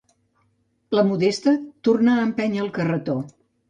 La Modesta tornà a empènyer el carretó.